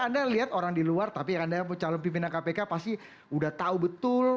anda lihat orang di luar tapi anda calon pimpinan kpk pasti udah tahu betul